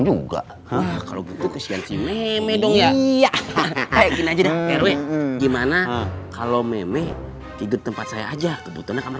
juga kalau gitu kesian si meme dong ya gimana kalau meme tidur tempat saya aja kebetulan kamar